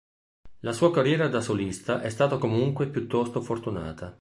La sua carriera da solista è stata comunque piuttosto fortunata.